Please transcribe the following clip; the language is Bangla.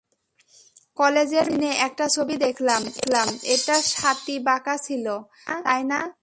কলেজের ম্যাগাজিনে একটা ছবি দেখলাম এটা স্বাতী আঁকা ছিল, তাই না?